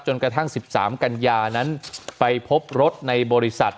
กระทั่ง๑๓กันยานั้นไปพบรถในบริษัท